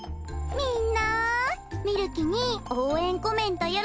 みんなみるきに応援コメント